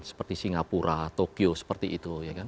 seperti singapura tokyo seperti itu